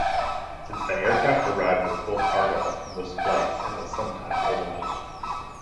Since the aircraft arrived with full cargo on most flights and was sometimes overloaded.